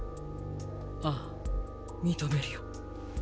あぁ認めるよ。